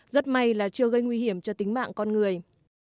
rất may là chưa gây nguy hiểm cho tính mạng con người